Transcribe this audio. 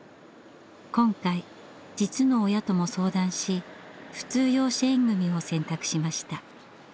今回実の親とも相談し普通養子縁組を選択しました。